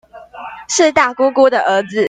是大姑姑的兒子